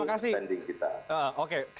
dan itu standing kita